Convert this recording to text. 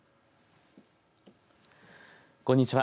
こんにちは。